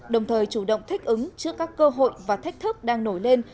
đồng thời chủ động thích ứng trước các cơ hội và thách thức đang nổi lên